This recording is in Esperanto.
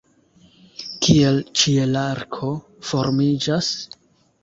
Kiel ĉielarko formiĝas?